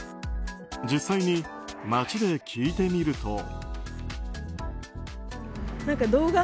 実際に街で聞いてみると。